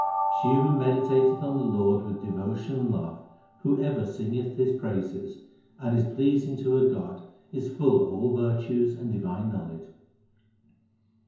She who meditateth on the Lord with devotion and love, who ever singeth His praises, And is pleasing to her God, is full of all virtues and divine knowledge.